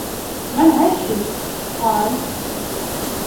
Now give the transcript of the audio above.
مَا الْعَيْشُ ؟ قَالَ